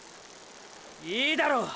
いいだろう！